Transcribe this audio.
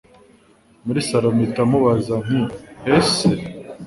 muri salon mpita mubaza nti eese